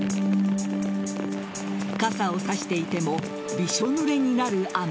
傘を差していてもびしょ濡れになる雨。